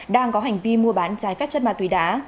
đang có hành vi mua bán trái phép chất ma túy đá